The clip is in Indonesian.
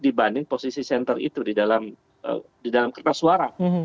dibanding posisi center itu di dalam kertas suara